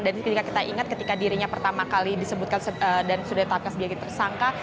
dan ketika kita ingat ketika dirinya pertama kali disebutkan dan sudah tetapkan sebagian tersangka